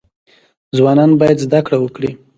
ځوانان باید زده کړه وکړي